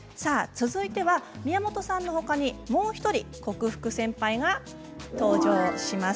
続いては宮本さんのほかにもう１人、克服センパイが登場します。